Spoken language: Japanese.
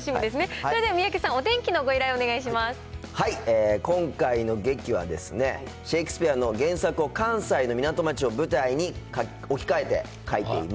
それでは三宅さん、今回の劇はですね、シェイクスピアの原作を、関西の港町を舞台に、置き換えて描いています。